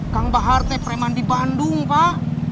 kang bahar teh premandi bandung pak